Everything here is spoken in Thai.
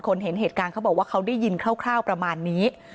เห็นเหตุการณ์เขาบอกว่าเขาได้ยินคร่าวประมาณนี้